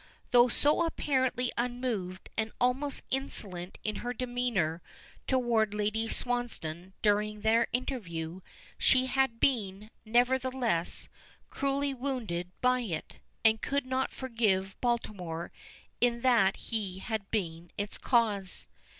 Though so apparently unmoved and almost insolent in her demeanor toward Lady Swansdown during their interview, she had been, nevertheless, cruelly wounded by it, and could not forgive Baltimore in that he had been its cause.